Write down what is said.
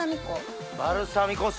バルサミコ酢。